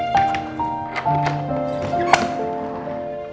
kayaknya tidak pernah